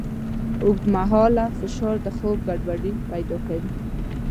اوږدمهاله فشار د خوب ګډوډۍ پیدا کوي.